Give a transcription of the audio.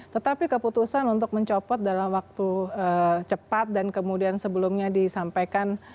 tetapi keputusan untuk mencopot dalam waktu cepat dan kemudian sebelumnya disampaikan